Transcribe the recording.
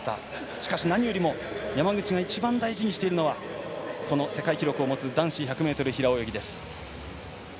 しかし、何よりも山口が一番大事にしているのはこの世界記録を持つ男子１００ｍ平泳ぎです。